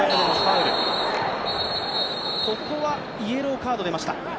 ここはイエローカードが出ました。